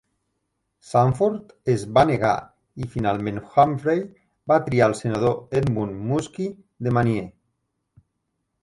Sanford es va negar, i finalment Humphrey va triar el senador Edmund Muskie de Maine.